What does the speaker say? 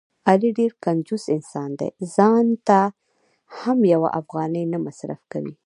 علي ډېر کنجوس انسان دی.ځانته هم یوه افغانۍ نه مصرف کوي.